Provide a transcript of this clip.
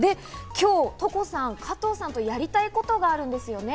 今日トコさん、加藤さんとやりたいことがあるんですよね？